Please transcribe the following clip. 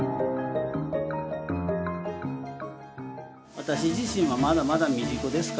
私自身はまだまだ未熟ですから。